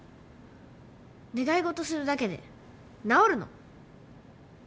願い事するだけで治るの？